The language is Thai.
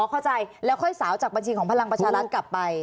เข้าใจแล้วค่อยสาวจากบัญชีของพลังประชารัฐกลับไป